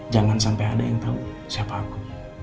jangan sampai ada yang tahu siapa aku